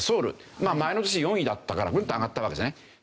まあ前の年４位だったからグンと上がったわけですね。